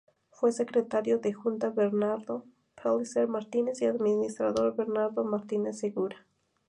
Fue secretario de la Junta Bernardo Pellicer Martínez y administrador Bernardo Martínez Segura.